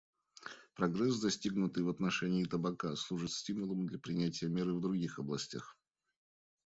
Прогресс, достигнутый в отношении табака, служит стимулом для принятия мер и в других областях.